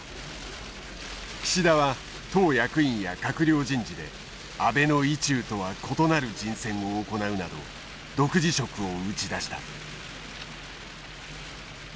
岸田は党役員や閣僚人事で安倍の意中とは異なる人選を行うなど独自色を打ち出した。